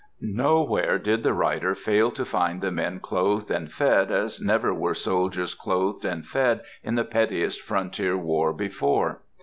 Nowhere did the writer fail to find the men clothed and fed as never were soldiers clothed and fed in the pettiest frontier war before.